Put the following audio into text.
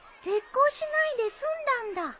絶交しないですんだんだ。